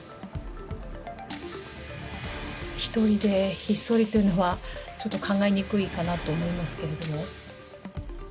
１人でひっそりというのは、ちょっと考えにくいかなと思いますけれども。